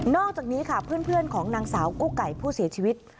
อกจากนี้ค่ะเพื่อนของนางสาวกู้ไก่ผู้เสียชีวิต